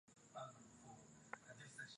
Wewe ni rafiki mwema unayenipenda.